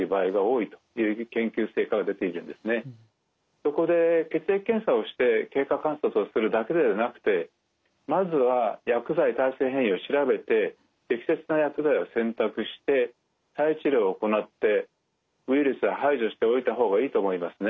そこで血液検査をして経過観察をするだけではなくてまずは薬剤耐性変異を調べて適切な薬剤を選択して再治療を行ってウイルスを排除しておいた方がいいと思いますね。